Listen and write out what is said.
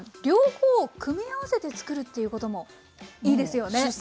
両方を組み合わせて作るということもいいですよね？